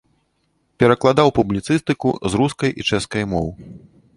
Перакладаў публіцыстыку з рускай і чэшскай моў.